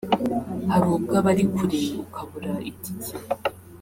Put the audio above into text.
hari ubwo aba ari kure ukabura itike